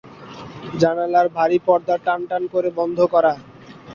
জানালার ভারি পর্দা টান টান করে বন্ধ করা।